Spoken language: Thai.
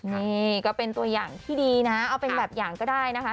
นี่ก็เป็นตัวอย่างที่ดีนะเอาเป็นแบบอย่างก็ได้นะคะ